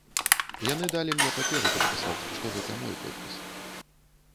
І яны далі мне паперу падпісаць, што гэта мой подпіс.